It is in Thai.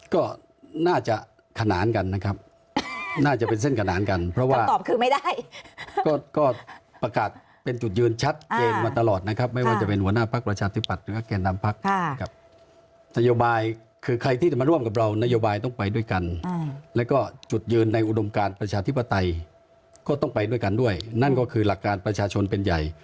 ก็น่าจะขนานกันนะครับน่าจะเป็นเส้นขนานกันเพราะว่าตอบคือไม่ได้ก็ประกาศเป็นจุดยืนชัดเจนมาตลอดนะครับไม่ว่าจะเป็นหัวหน้าพักประชาธิบัตย์หรือว่าแก่นำพักกับนโยบายคือใครที่จะมาร่วมกับเรานโยบายต้องไปด้วยกันแล้วก็จุดยืนในอุดมการประชาธิปไตยก็ต้องไปด้วยกันด้วยนั่นก็คือหลักการประชาชนเป็นใหญ่